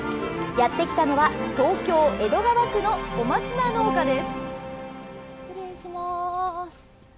やってきたのは東京・江戸川区の小松菜農家です。